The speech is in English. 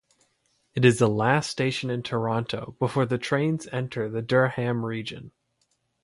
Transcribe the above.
It is the last station in Toronto before the trains enter Durham Region.